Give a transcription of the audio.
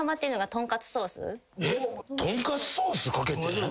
とんかつソースかけてん？